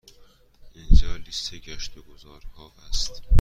اینجا لیست گشت و گذار ها است.